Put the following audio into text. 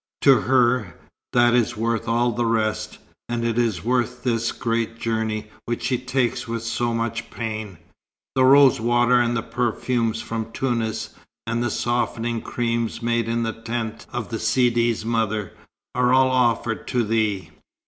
To her, that is worth all the rest; and it is worth this great journey, which she takes with so much pain. The rosewater, and the perfumes from Tunis, and the softening creams made in the tent of the Sidi's mother, are all offered to thee."